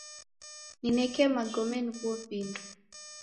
Nineke magome nighuo vindo.